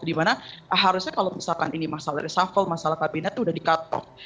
dimana harusnya kalau misalkan ini masalah resapel masalah kabinet itu sudah di cut off